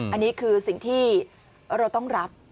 อันนี้คือสิ่งที่เราต้องรับ